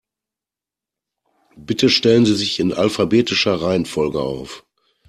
Bitte stellen Sie sich in alphabetischer Reihenfolge auf.